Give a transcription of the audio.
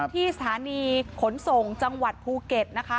ที่สถานีขนส่งจังหวัดภูเก็ตนะคะ